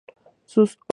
Sus hojas son picantes.